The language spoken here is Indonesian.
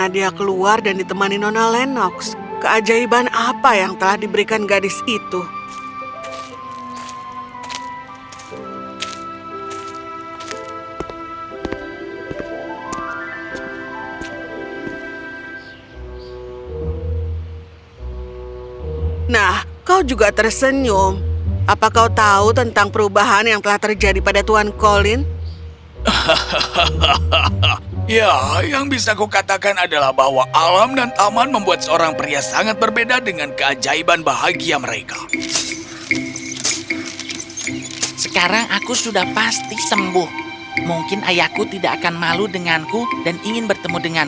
dan saat dia sampai dan nyonya medlock menyambutnya